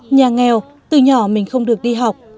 nhà nghèo từ nhỏ mình không được đi học